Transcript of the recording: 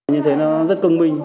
như thế nó rất công minh